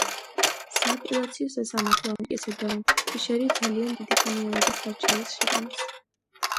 სააპელაციო სასამართლო ამტკიცებდა, რომ ფიშერი ძალიან დიდი ხანი ელოდა სარჩელის შეტანას.